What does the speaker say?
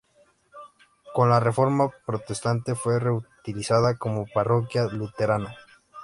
Con la reforma protestante fue reutilizada como parroquia luterana.